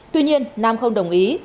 tuy nhiên nam không đồng ý